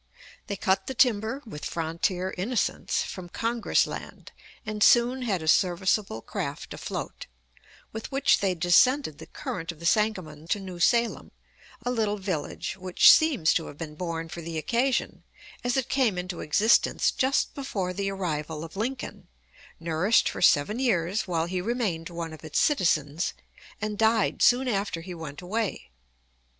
They cut the timber, with frontier innocence, from "Congress land," and soon had a serviceable craft afloat, with which they descended the current of the Sangamon to New Salem, a little village which seems to have been born for the occasion, as it came into existence just before the arrival of Lincoln, nourished for seven years while he remained one of its citizens, and died soon after he went away.